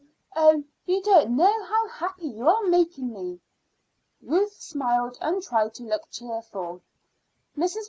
Oh! you don't know how happy you are making me." Ruth smiled and tried to look cheerful. Mrs.